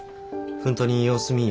本当に様子見ぃ